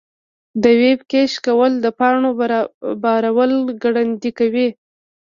د ویب کیش کول د پاڼو بارول ګړندي کوي.